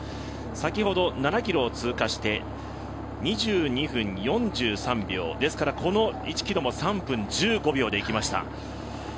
先ほど７ｋｍを通過して、２２分４３秒ですからこの１ｋｍも３分１５秒でいきました。